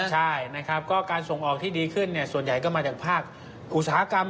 ใช่นะครับก็การส่งออกที่ดีขึ้นส่วนใหญ่ก็มาจากภาคอุตสาหกรรม